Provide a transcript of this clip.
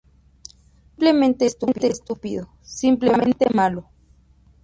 Es simplemente estúpido, simplemente malo".